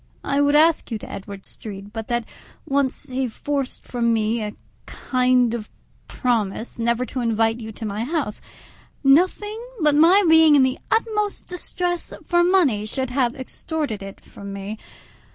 I would ask you to Edward Street, but that once he forced from me a kind of promise never to invite you to my house; nothing but my being in the utmost distress for money should have extorted it from me.